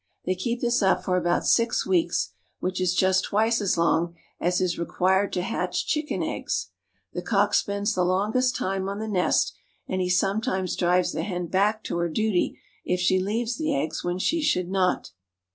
They keep this up for about six weeks, which is just twice as long as is required to hatch chicken eggs. The cock spends "the longest time on the nest, and he sometimes drives the hen back to her duty if she leaves the eggs when she should not.